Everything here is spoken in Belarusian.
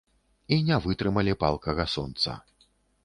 І не вытрымалі палкага сонца.